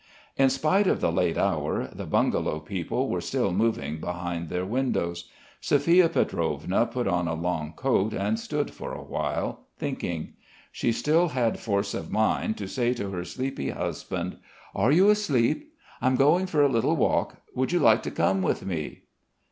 In spite of the late hour, the bungalow people were still moving behind their windows. Sophia Pietrovna put on a long coat and stood for a while, thinking. She still had force of mind to say to her sleepy husband: "Are you asleep? I'm going for a little walk. Would you like to come with me?"